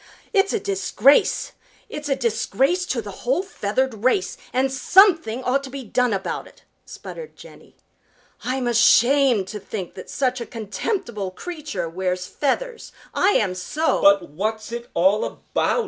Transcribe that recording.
"It's a disgrace! It's a disgrace to the whole feathered race, and something ought to be done about it!" sputtered Jenny. "I'm ashamed to think that such a contemptible creature wears feathers! I am so!" "But what's it all about?"